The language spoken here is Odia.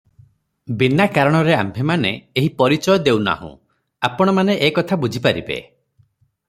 ବିନା କାରଣରେ ଆମ୍ଭେମାନେ ଏହି ପରିଚୟ ଦେଉ ନାହୁଁ, ଆପଣମାନେ ଏ କଥା ବୁଝିପାରିବେ ।